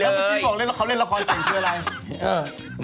แล้วพี่บอกแต่เล่นละครเก่งเพราะอะไร